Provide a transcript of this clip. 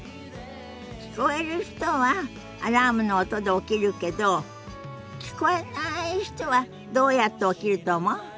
聞こえる人はアラームの音で起きるけど聞こえない人はどうやって起きると思う？